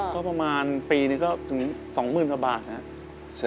ก็ประมาณปีนึงก็ถึงสองหมื่นกว่าบาทนะครับ